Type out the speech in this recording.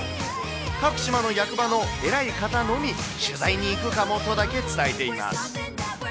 各島の役場の偉い方のみ、取材に行くかもとだけ伝えています。